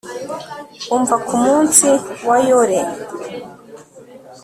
Umva ku munsi wa yore